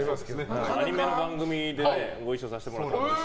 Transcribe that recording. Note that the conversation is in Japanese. アニメの番組でご一緒させてもらって。